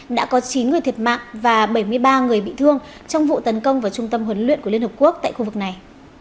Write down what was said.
đã có chín người thiệt mạng và bảy mươi ba người bị thương trong vụ tấn công vào trung tâm huấn luyện của liên hợp quốc tại khu vực này